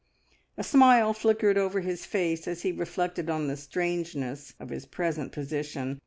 A smile flickered over his face as he reflected on the strangeness of his present position.